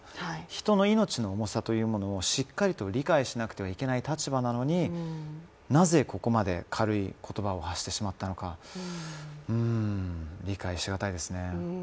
人の命の重さというものをしっかりと理解しなくてはいけない立場なのになぜここまで軽い言葉を発してしまったのか、うん、理解し難いですね